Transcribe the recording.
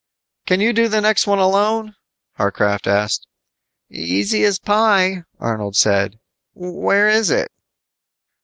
"Can you do the next one alone?" Harcraft asked. "Easy as pie," Arnold said. "Where is it?"